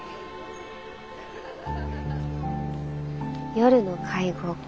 夜の会合か。